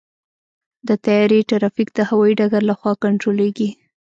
د طیارې ټرافیک د هوايي ډګر لخوا کنټرولېږي.